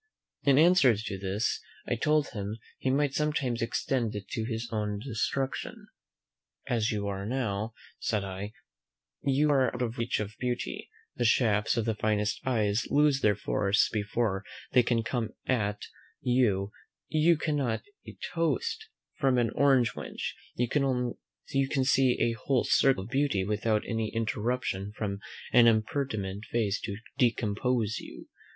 In answer to this I told him he might sometimes extend it to his own destruction. "As you are now," said I, "you are out of the reach of beauty, the shafts of the finest eyes lose their force before they can come at you; you cannot distinguish a Toast from an orange wench; you can see a whole circle of beauty without any interruption from an impertinent face to discompose you.